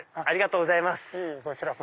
ありがとうございます。